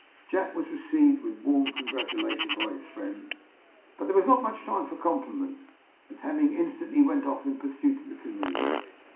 Jack was received with warm congratulation by his friends; but there was not much time for compliments, as Hemming instantly went off in pursuit of the canoes.